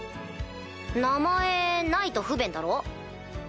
名前ないと不便だろ？